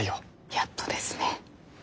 やっとですね。